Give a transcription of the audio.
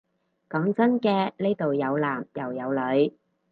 講真嘅，呢度有男又有女